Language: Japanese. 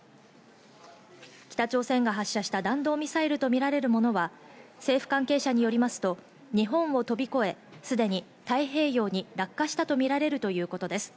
北朝鮮が発射した弾道ミサイルとみられるものは、政府関係者によりますと、日本を飛び越え、すでに太平洋に落下したとみられるということです。